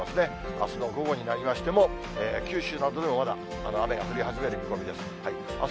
あすの午後になりましても、九州などでもまだ雨が降り始める見込みです。